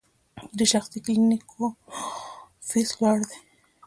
د شخصي کلینیکونو فیس لوړ دی؟